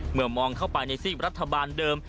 มองเข้าไปในซีกรัฐบาลเดิม